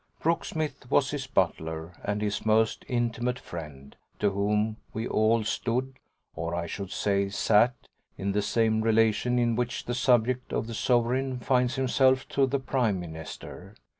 Brooksmith was his butler and his most intimate friend, to whom we all stood, or I should say sat, in the same relation in which the subject of the sovereign finds himself to the prime minister.